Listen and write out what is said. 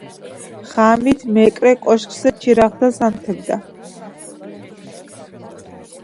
ღამით მეკრე კოშკზე ჩირაღდანს ანთებდა.